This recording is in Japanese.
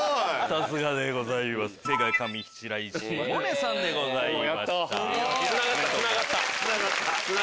さすがでございます。